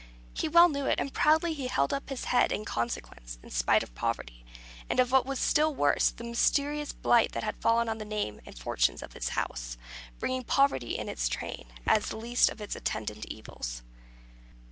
Well he knew it, and proudly he held up his young head in consequence, in spite of poverty, and of what was still worse, the mysterious blight that had fallen on the name and fortunes of his house, bringing poverty in its train, as the least of its attendant evils.